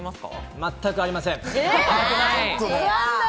全くありません。